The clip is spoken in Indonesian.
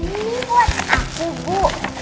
ini buat aku bu